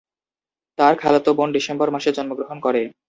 তার খালাতো বোন ডিসেম্বর মাসে জন্মগ্রহণ করে।